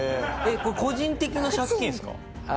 これ個人的な借金ですか？